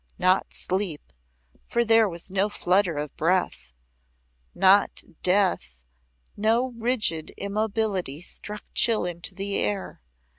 Not sleep, for there was no flutter of breath. Not death no rigid immobility struck chill into the air.